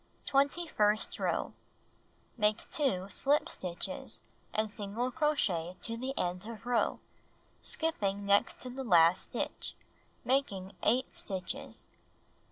Twenty first row: Make 2 slip stitches, and single crochet to the end of row, skipping next to the last stitch, making ^|P) » J 8 stitches.